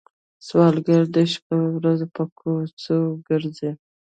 سوالګر د شپه ورځ پر کوڅو ګرځي